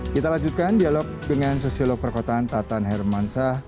kita lanjutkan dialog dengan sosiolog perkotaan tataan hermansa